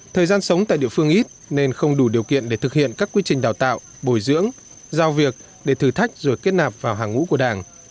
thời gian sống tại địa phương ít nên không đủ điều kiện để thực hiện các quy trình đào tạo bồi dưỡng giao việc để thử thách rồi kết nạp vào hàng ngũ của đảng